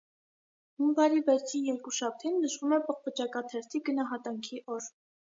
Հունվարի վերջին երկուշաբթին նշվում է պղպջակաթերթի գնահատանքի օր։